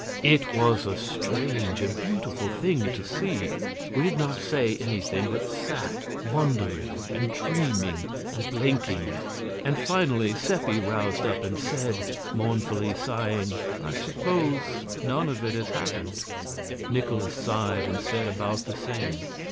It was a strange and beautiful thing to see. We did not say anything, but sat wondering and dreaming and blinking; and finally Seppi roused up and said, mournfully sighing: "I suppose none of it has happened." Nikolaus sighed and said about the same.